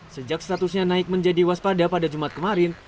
sejak statusnya naik menjadi waspada pada jumat kemarin